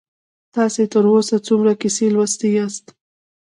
تاسې تر اوسه څومره کیسې لوستي یاست؟